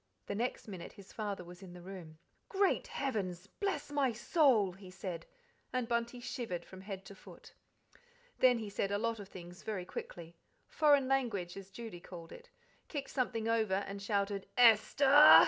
The next minute his father was in the room. "Great Heavens! God bless my soul!" he said, and Bunty shivered from head to foot. Then he said a lot of things very quickly "foreign language" as Judy called it; kicked something over, and shouted "Esther!"